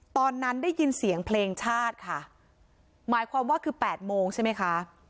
ตอนนั้นได้ยินเสียงเพลงชาติค่ะหมายความว่าคือแปดโมงใช่ไหมคะ